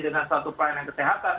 dengan satu pelayanan kesehatan